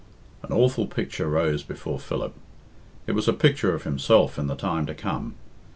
An awful picture rose before Philip. It was a picture of himself in the time to come.